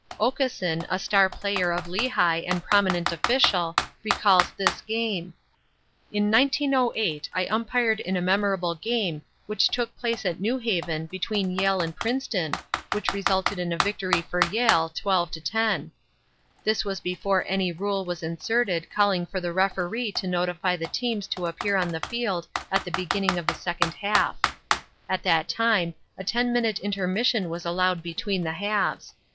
Okeson, a star player of Lehigh and prominent official, recalls this game: "In 1908 I umpired in a memorable game which took place at New Haven between Yale and Princeton, which resulted in a victory for Yale, 12 10. This was before any rule was inserted calling for the Referee to notify the teams to appear on the field at the beginning of the second half. At that time a ten minute intermission was allowed between the halves.